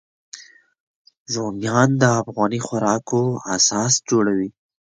رومیان د افغاني خوراکو اساس جوړوي